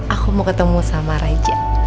aku mau ketemu sama raja